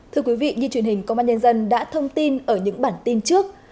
thưa quý vị như truyền hình công an nhân dân đã thông tin ở những bản tin trước